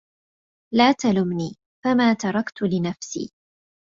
لا تلمني فما تركت لنفسي